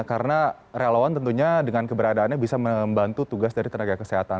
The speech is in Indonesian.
karena relawan tentunya dengan keberadaannya bisa membantu tugas dari tenaga kesehatan